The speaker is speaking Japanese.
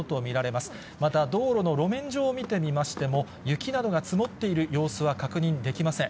また道路の路面上を見てみましても、雪などが積もっている様子は確認できません。